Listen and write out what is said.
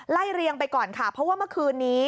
เรียงไปก่อนค่ะเพราะว่าเมื่อคืนนี้